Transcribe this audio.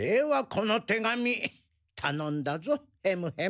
この手紙たのんだぞヘムヘム。